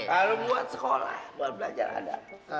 lalu buat sekolah buat belajar ada